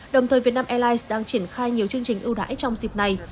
đồng thời vietnam airlines đang triển khai nhiều chương trình ưu đãi trong dịp này